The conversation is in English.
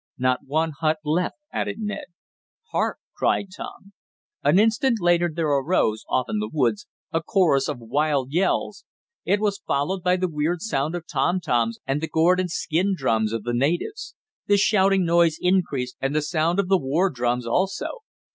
"Not one hut left," added Ned. "Hark!" cried Tom. An instant later there arose, off in the woods, a chorus of wild yells. It was followed by the weird sound of tom toms and the gourd and skin drums of the natives. The shouting noise increased, and the sound of the war drums also.